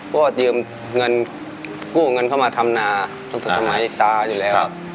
ก็เงินทราบกู้เงินไปมาทำนาตอนสมัยตาอยู่แล้ว